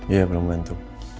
iya belum bantu